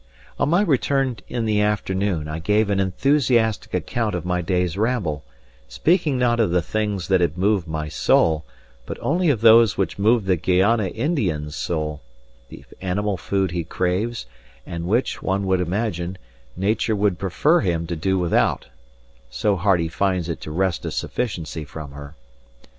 On my return in the afternoon I gave an enthusiastic account of my day's ramble, speaking not of the things that had moved my soul, but only of those which move the Guayana Indian's soul the animal food he craves, and which, one would imagine, Nature would prefer him to do without, so hard he finds it to wrest a sufficiency from her.